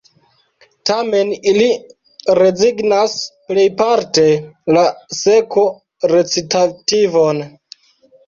Tamen ili rezignas plejparte la seko-recitativon.